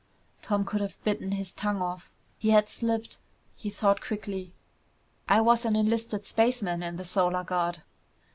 Tom could have bitten his tongue off. He had slipped. He thought quickly. "I was an enlisted spaceman in the Solar Guard."